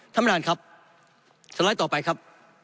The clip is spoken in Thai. ท่านประธานครับต่อไปครับ